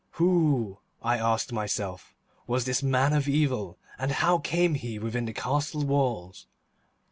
Who, I asked myself, was this man of evil, and how came he within the castle walls?